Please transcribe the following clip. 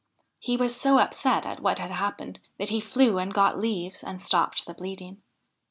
He was so upset at what had happened, that he flew and got leaves and stopped the bleeding.